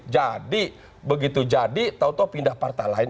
jadi begitu jadi tau tau pindah partai lain